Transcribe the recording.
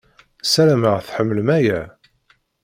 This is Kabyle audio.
Ssaram-aɣ tḥemmel aya.